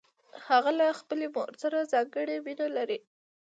هغه له خپلې مور سره ځانګړې مینه لرله